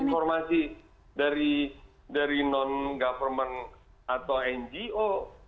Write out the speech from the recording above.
kami bukan dapatkan informasi dari non government atau ngo